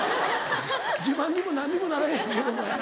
自慢にも何にもならへんけどもやな。